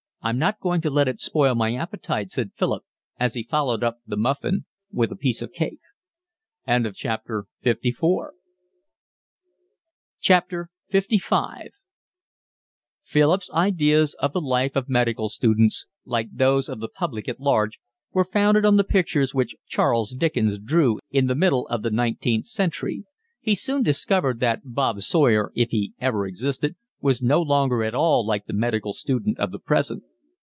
"I'm not going to let it spoil my appetite," said Philip, as he followed up the muffin with a piece of cake. LV Philip's ideas of the life of medical students, like those of the public at large, were founded on the pictures which Charles Dickens drew in the middle of the nineteenth century. He soon discovered that Bob Sawyer, if he ever existed, was no longer at all like the medical student of the present.